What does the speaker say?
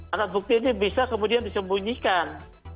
alat bukti ini bisa kemudian disembunyikan